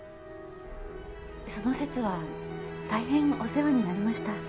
その節は大変お世話になりました。